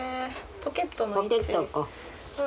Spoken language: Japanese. ポケット。